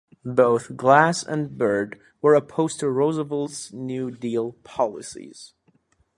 Both Glass and Byrd were opposed to Roosevelt's New Deal policies.